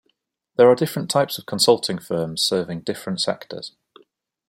There are different types of Consulting Firms serving different sectors.